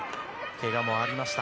けがもありました。